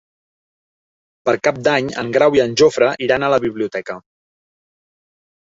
Per Cap d'Any en Grau i en Jofre iran a la biblioteca.